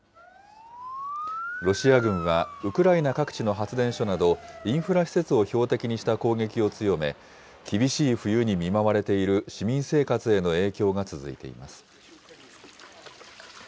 ロシア軍は、ウクライナ各地の発電所など、インフラ施設を標的にした攻撃を強め、厳しい冬に見舞われている市民生活への影響が続いています。